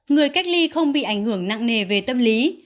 người cách ly không bị ảnh hưởng nặng nề về tâm lý